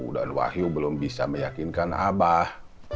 dan wahyu belum bisa meyakinkan abah